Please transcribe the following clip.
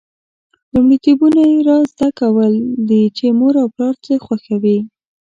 لومړیتوبونه یې دا زده کول دي چې مور او پلار څه خوښوي.